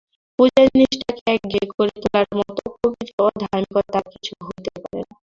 পূজা জিনিসটাকে একঘেয়ে করে তোলার মতো অপবিত্র অধার্মিকতা আর কিছু হতে পারে না।